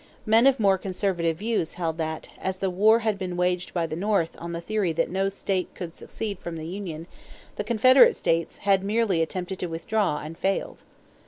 Men of more conservative views held that, as the war had been waged by the North on the theory that no state could secede from the union, the Confederate states had merely attempted to withdraw and had failed.